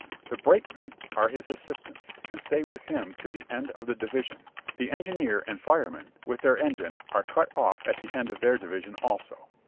The brakemen are his assistants, and stay with him to the end of the division; the engineer and fireman, with their engine, are cut off at the end of their division also.